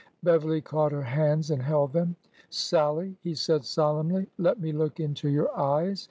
Beverly caught her hands and held them. " Sallie," he said solemnly, let me look into your eyes.